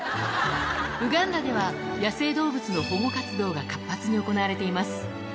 ウガンダでは、野生動物の保護活動が活発に行われています。